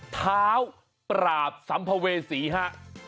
เท้าปราบสัมภเวษีฮะ